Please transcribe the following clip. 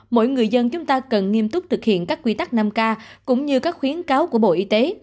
mỗi người dân chúng ta cần nghiêm túc thực hiện các quy tắc năm k cũng như các khuyến cáo của bộ y tế